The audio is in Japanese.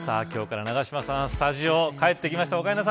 今日から、永島さんスタジオに帰ってきました。